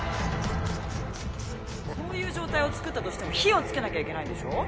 そういう状態を作ったとしても火をつけなきゃいけないでしょう。